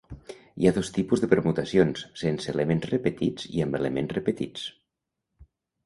Hi ha dos tipus de permutacions, sense elements repetits i amb elements repetits.